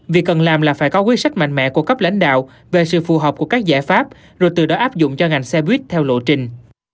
việc cần làm là phải có quyết sách mạnh mẽ của cấp lãnh đạo về sự phù hợp của các giải pháp rồi từ đó áp dụng cho ngành xe buýt theo lộ trình